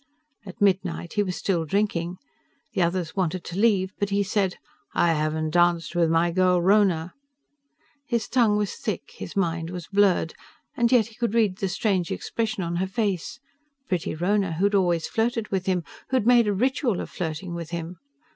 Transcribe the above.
At midnight, he was still drinking. The others wanted to leave, but he said, "I haven't danced with my girl Rhona." His tongue was thick, his mind was blurred, and yet he could read the strange expression on her face pretty Rhona, who'd always flirted with him, who'd made a ritual of flirting with him.